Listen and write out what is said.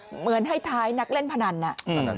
เหมือนให้ท้ายนักเล่นพนัน